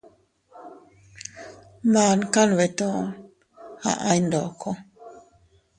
Man kanbeeto aʼay ndoko.